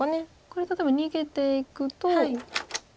これ例えば逃げていくと。